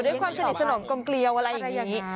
ความสนิทสนมกลมเกลียวอะไรอย่างนี้